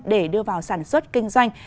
để đưa vào sản xuất kinh doanh